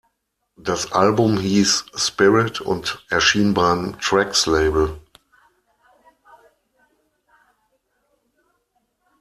Das Album hieß "Spirit" und erschien beim Trax-Label.